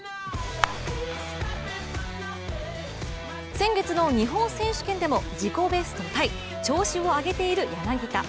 先月の日本選手権でも自己ベストタイ調子を上げている柳田。